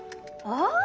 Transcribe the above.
ああ！